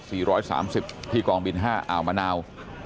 ที่กองบิน๕อาวมะนาว